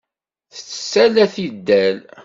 Tettett ala tidal.